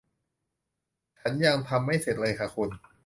ฉันยังทำไม่เสร็จเลยค่ะคุณ